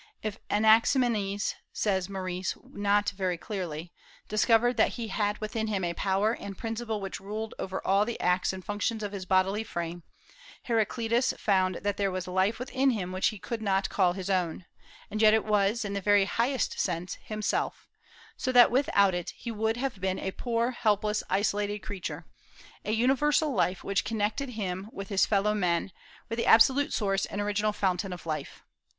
"If Anaximenes," says Maurice, not very clearly, "discovered that he had within him a power and principle which ruled over all the acts and functions of his bodily frame, Heraclitus found that there was life within him which he could not call his own, and yet it was, in the very highest sense, himself, so that without it he would have been a poor, helpless, isolated creature, a universal life which connected him with his fellow men, with the absolute source and original fountain of life....